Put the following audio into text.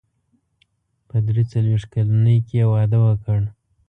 په درې څلوېښت کلنۍ کې يې واده وکړ.